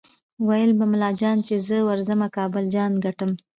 ویل به ملا جان چې زه ورځمه کابل جان ګټم